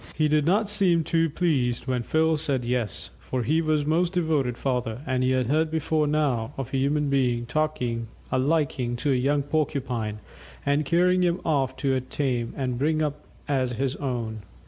He did not seem too pleased when Phil said "Yes," for he was a most devoted father, and had heard before now of a human being taking a liking to a young Porcupine, and carrying him off to tame and bring up as his own.